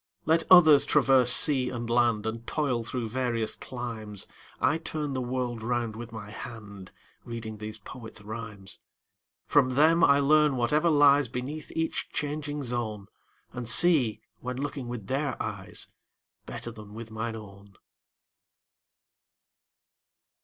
Let others traverse sea and land, And toil through various climes, 30 I turn the world round with my hand Reading these poets' rhymes. From them I learn whatever lies Beneath each changing zone, And see, when looking with their eyes, 35 Better than with mine own.